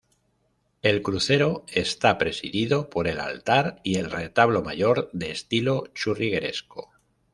El crucero está presidido por el altar y el retablo mayor, de estilo churrigueresco.